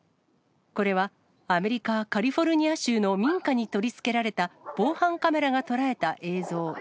これはアメリカ・カリフォルニア州の民家に取り付けられた防犯カメラが捉えた映像。